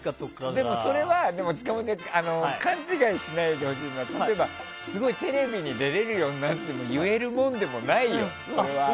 でも、それは勘違いしないでほしいのは例えば、すごいテレビに出れるようになっても言えるもんでもないよ、これは。